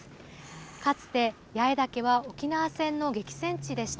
かつて、八重岳は沖縄戦の激戦地でした。